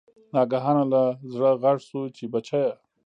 ناګهانه له زړه غږ شو چې بچیه!